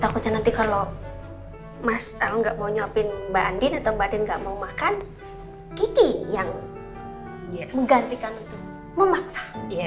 kalau enggak mau nyopin mbak andien atau badan nggak mau makan kiki yang menggantikan memaksa